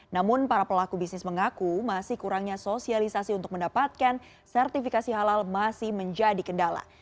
namun para pelaku bisnis mengaku masih kurangnya sosialisasi untuk mendapatkan sertifikasi halal masih menjadi kendala